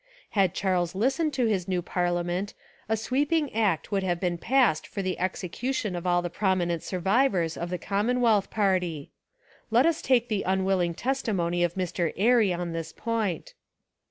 Had Charles listened to his new parliament a sweep ing Act would have been passed for the execu tion of all the prominent survivors of the Commonwealth party. Let us take the unwill ing testimony of Mr. Airy on this point.